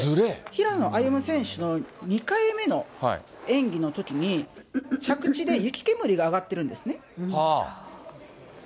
平野歩夢選手の２回目の演技のときに、着地で雪煙が上がってるんですね。